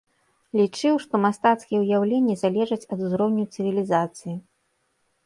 Лічыў, што мастацкія ўяўленні залежаць ад узроўню цывілізацыі.